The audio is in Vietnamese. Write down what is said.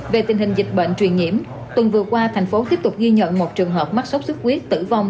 về tình hình dịch bệnh truyền nhiễm tuần vừa qua thành phố tiếp tục ghi nhận một trường hợp mắc sốt xuất huyết tử vong